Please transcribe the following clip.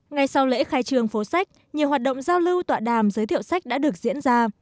ngay sau lễ khai trường phố sách nhiều hoạt động giao lưu tọa đàm giới thiệu sách đã được diễn ra